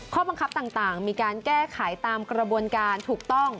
ข้อบังคับต่างมีการแก้ไขตามกระบวนการถูกต้อง